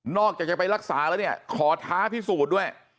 จะไปรักษาแล้วเนี่ยขอท้าพิสูจน์ด้วย